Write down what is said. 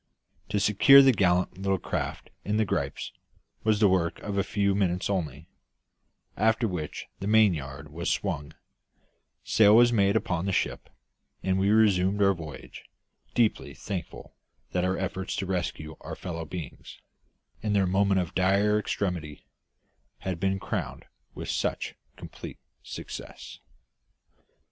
To secure the gallant little craft in the gripes was the work of a few minutes only; after which the mainyard was swung, sail was made upon the ship, and we resumed our voyage, deeply thankful that our efforts to rescue our fellow beings, in their moment of dire extremity, had been crowned with such complete success.